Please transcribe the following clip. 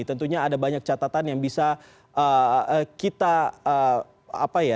tentunya ada banyak catatan yang bisa kita apa ya